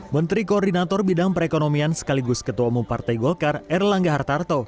menteri koordinator bidang perekonomian sekaligus ketua umum partai golkar erlangga hartarto